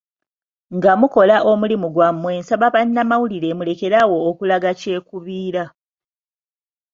Nga mukola omulimu gwammwe nsaba bannamawulire mulekerawo okulaga kyekubiira .